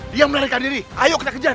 diam menarikkan diri ayo kita kejar